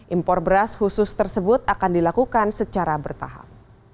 impor beras khusus tersebut akan dilakukan secara bertahap